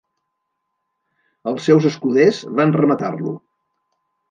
Els seus escuders van rematar-lo.